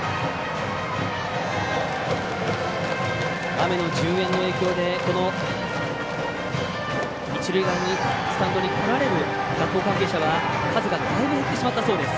雨の順延の影響で、一塁側のスタンドに来られる学校関係者は数がだいぶ減ってしまったそうです。